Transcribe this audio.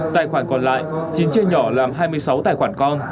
tài khoản còn lại chín chia nhỏ làm hai mươi sáu tài khoản con